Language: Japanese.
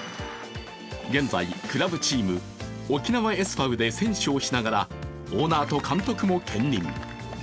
現在、クラブチーム沖縄ＳＶで選手をしながらオーナーと監督も兼任。